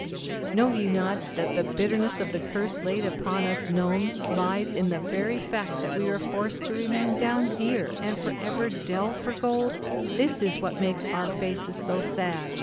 ^^s ^*&WA*Tto^MffM&"^ ^^xr^ " Know ye not that the bitterness of the curse laid upon us Gnomes lies in the very fact that we are forced to remain down here and forever delve for gold? This it is which makes our faces so sad.